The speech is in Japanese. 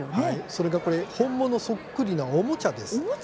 それがこれ本物そっくりな、おもちゃです。